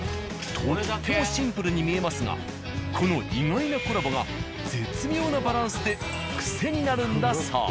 とってもシンプルに見えますがこの意外なコラボが絶妙なバランスでクセになるんだそう。